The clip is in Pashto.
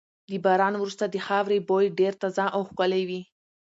د باران وروسته د خاورې بوی ډېر تازه او ښکلی وي.